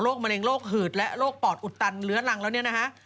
มะเร็งโรคหืดและโรคปอดอุดตันเลื้อรังแล้วเนี่ยนะฮะ